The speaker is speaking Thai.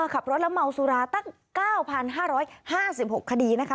ขับรถและเมาสุราตั้ง๙๕๕๖คดีนะคะ